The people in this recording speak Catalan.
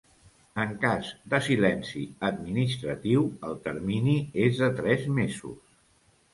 En cas de silenci administratiu el termini és de tres mesos.